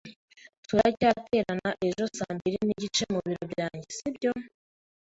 Turacyaterana ejo saa mbiri nigice mu biro byanjye, sibyo?